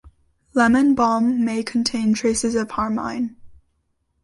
Lemon balm may contain traces of harmine.